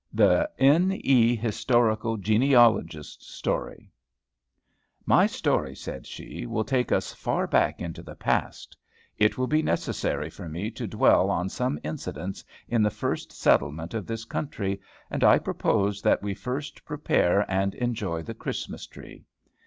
THE N. E. HISTORICAL GENEALOGIST'S STORY. "My story," said she, "will take us far back into the past. It will be necessary for me to dwell on some incidents in the first settlement of this country, and I propose that we first prepare and enjoy the Christmas tree.